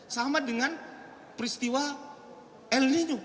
sama dengan peristiwa el nino